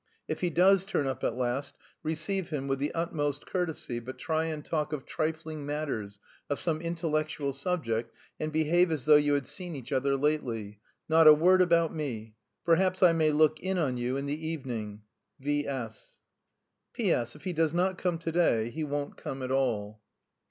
If he does turn up at last, receive him with the utmost courtesy but try and talk of trifling matters, of some intellectual subject, and behave as though you had seen each other lately. Not a word about me. Perhaps I may look in on you in the evening. V. S. "P.S. If he does not come to day he won't come at all."